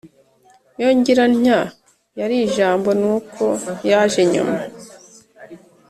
Iyo ngira ntya yari ijambo ni uko yaje nyuma.